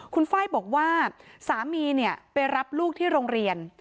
คุณไฟล์บอกว่าสามีไปรับลูกที่โรงเรียน